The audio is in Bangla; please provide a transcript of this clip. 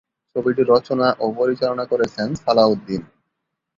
ছবিটি রচনা ও পরিচালনা করেছেন সালাউদ্দিন।